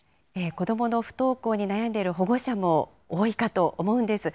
子どもの不登校に悩んでいる保護者も多いかと思うんです。